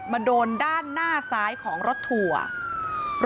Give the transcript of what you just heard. โดนด้านหน้าซ้ายของรถทัวร์